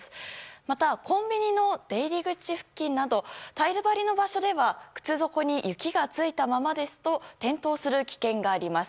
またコンビニの出入り口付近などタイル張りの場所では靴底に雪がついたままですと転倒する危険があります。